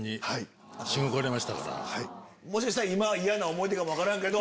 もしかしたら今は嫌な思い出かも分からんけど。